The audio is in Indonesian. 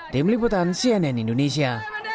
tim liputan cnn indonesia